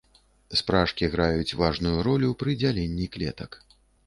Спражкі граюць важную ролю пры дзяленні клетак.